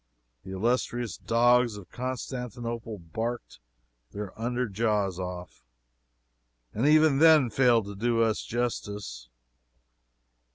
The illustrious dogs of Constantinople barked their under jaws off, and even then failed to do us justice.